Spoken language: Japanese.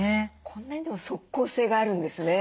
こんなにでも即効性があるんですね。